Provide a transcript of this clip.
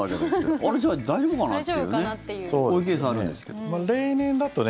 あれ、じゃあ大丈夫かなっていうね。